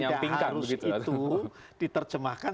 kata tidak harus itu diterjemahkan